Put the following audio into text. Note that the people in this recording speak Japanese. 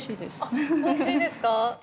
おいしいです。